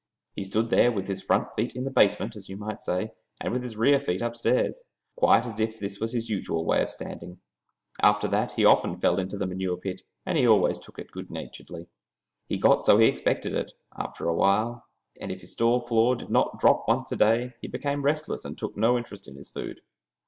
He stood there with his front feet in the basement, as you might say, and with his rear feet upstairs, quite as if that was his usual way of standing. After that he often fell into the manure pit, and he always took it good naturedly. He got so he expected it, after awhile, and if his stall floor did not drop once a day, he became restless and took no interest in his food.